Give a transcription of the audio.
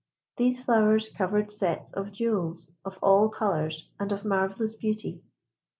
These flowers covered sets of jewels of all colours and of marvellous beauty.